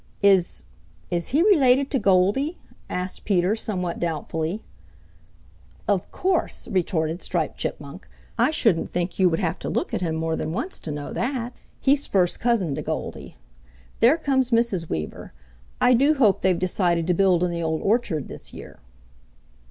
"Is is he related to Goldy?" asked Peter somewhat doubtfully. "Of course," retorted Striped Chipmunk. "I shouldn't think you would have to look at him more than once to know that. He's first cousin to Goldy. There comes Mrs. Weaver. I do hope they've decided to build in the Old Orchard this year."